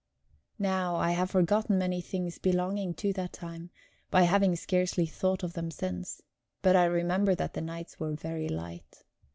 Now, I have forgotten many things belonging to that time, by having scarcely thought of them since. But I remember that the nights were very light.